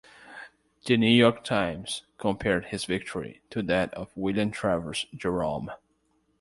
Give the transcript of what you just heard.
The "New York Times" compared his victory to that of William Travers Jerome.